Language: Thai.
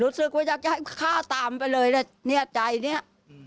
รู้สึกว่าอยากจะให้เขาฆ่าตามไปเลยนิทยาใจเนี้ย